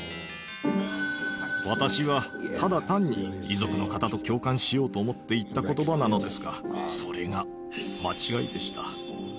私はただ単に遺族の方と共感しようと思って言った言葉なのですがそれが間違いでした。